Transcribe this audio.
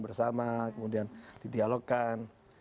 bersama kemudian didialogkan